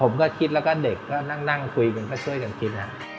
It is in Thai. ผมก็คิดแล้วก็เด็กก็นั่งคุยกันก็ช่วยกันคิด